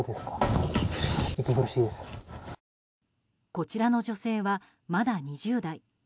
こちらの女性は、まだ２０代。